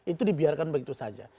itu dibiarkan begitu saja